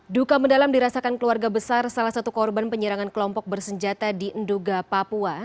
duka mendalam dirasakan keluarga besar salah satu korban penyerangan kelompok bersenjata di enduga papua